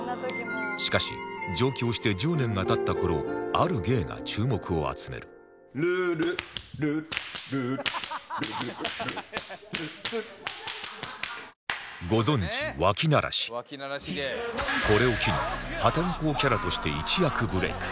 しかし上京して１０年が経った頃ある芸が注目を集める「ルール」「ルルル」ご存じこれを機に破天荒キャラとして一躍ブレイク